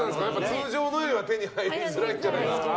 通常のよりは手に入りづらいんじゃないですか。